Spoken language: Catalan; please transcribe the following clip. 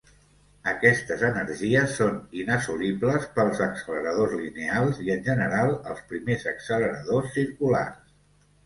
Aquestes energies són inassolibles pels acceleradors lineals i en general als primers acceleradors circulars.